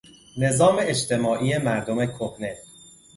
نظام اجتماعی مردم کهنه